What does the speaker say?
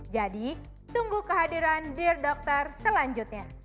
jadi tunggu kehadiran dear doctor selanjutnya